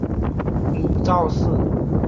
母赵氏。